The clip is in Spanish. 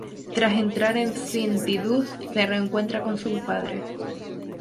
Tras entrar en Sinh Tidus se reencuentra con su padre.